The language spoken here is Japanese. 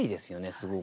すごくね。